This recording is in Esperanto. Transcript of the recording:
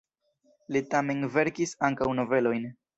Li tamen verkis ankaŭ novelojn.